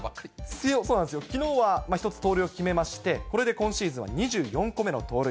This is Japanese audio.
きのうは１つ盗塁を決めまして、これで今シーズンは２４個目の盗塁。